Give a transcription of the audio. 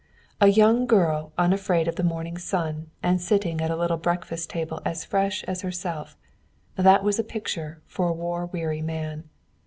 A young girl unafraid of the morning sun and sitting at a little breakfast table as fresh as herself that was a picture for a war weary man.